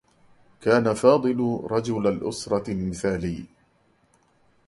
كان فاضل رجل الأسرة المثالي.